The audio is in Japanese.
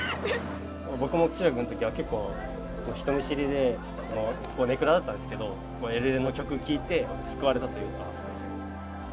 僕も中学の時は結構人見知りで根暗だったんですけどエルレの曲聴いて救われたというか。